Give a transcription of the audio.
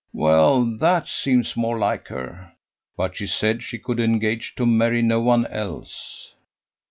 "Well, that seems more like her." "But she said she could engage to marry no one else."